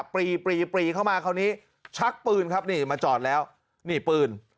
ปรีปรีปรีเข้ามาคราวนี้ชักปืนครับนี่มาจอดแล้วนี่ปืน